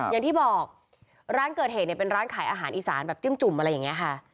อย่างที่บอกร้านเกิดเหตุเนี่ยเป็นร้านขายอาหารอีสานแบบจิ้มจุ่มอะไรอย่างนี้ค่ะ